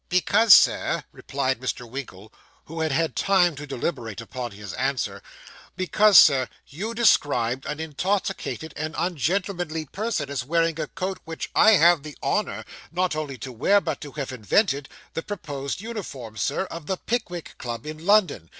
'Because, Sir,' replied Mr. Winkle, who had had time to deliberate upon his answer, 'because, Sir, you described an intoxicated and ungentlemanly person as wearing a coat which I have the honour, not only to wear but to have invented the proposed uniform, Sir, of the Pickwick Club in London.